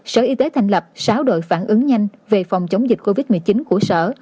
sở y tế thành lập sáu đội phản ứng nhanh về phòng chống dịch covid một mươi chín của sở